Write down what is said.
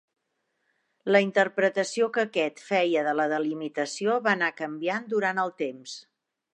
La interpretació que aquest feia de la delimitació va anar canviant durant el temps.